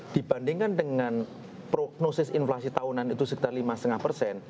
dibandingkan dengan prognosis inflasi tahunan itu sekitar lima lima persen